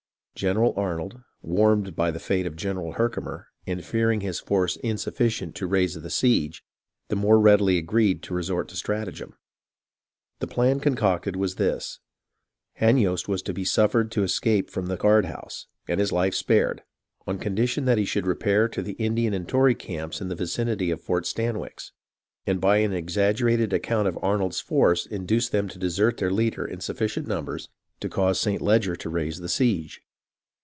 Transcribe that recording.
General Arnold, warned by the fate of General Herkimer, and fear ing his force insufficient to raise the siege, the more readily agreed to resort to stratagem. The plan concocted was this : Hanyost was to be suffered to escape from the guard house, and his life spared, on condition that he should repair to the Indian and Tory camps in the vicinity of Fort Stanwix, and by an exaggerated account of Arnold's force induce them to desert their leader in sufficient num bers to cause St. Leger to raise the siege.